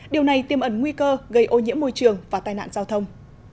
điều này tiêm ẩn nguy cơ gây ô nhiễm môi trường và tai nạn giao thông